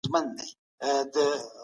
هغې په خندا ورته د خپل راز کیسه وکړه.